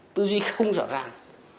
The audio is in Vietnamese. tư duy không rõ ràng